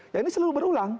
ya ini selalu berulang